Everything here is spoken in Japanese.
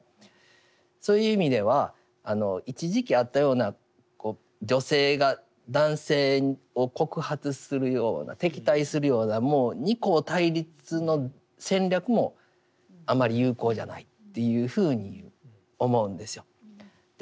そういう意味では一時期あったような女性が男性を告発するような敵対するようなもう二項対立の戦略もあまり有効じゃないっていうふうに思うんですよ。